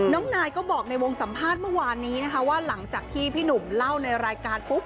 นายก็บอกในวงสัมภาษณ์เมื่อวานนี้นะคะว่าหลังจากที่พี่หนุ่มเล่าในรายการปุ๊บ